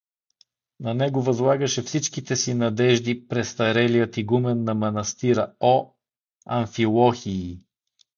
На него възлагаше всичките си надежди престарелият игумен на манастира о. Амфилохий.